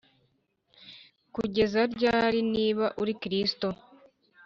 kugeza ryari Niba uri Kristo